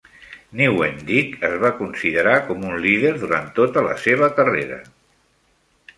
Nieuwendyk es va considerar com un líder durant tota la seva carrera.